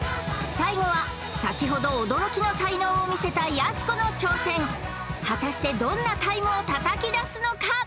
最後は先ほど驚きの才能を見せたやす子の挑戦果たしてどんなタイムをたたき出すのか？